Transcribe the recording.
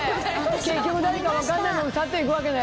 結局誰か分かんないまま去って行くわけね。